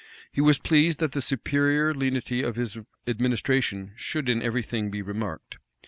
He was pleased that the superior lenity of his administration should in every thing be remarked.